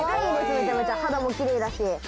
めちゃめちゃ肌も奇麗だし。